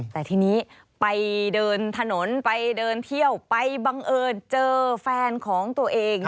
แต่ทีนี้ไปเดินถนนไปเดินเที่ยวไปบังเอิญเจอแฟนของตัวเอง